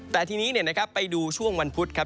แต่ทีนี้ไปดูช่วงวันพุธครับ